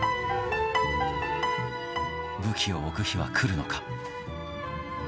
武器を置く日は来るのか。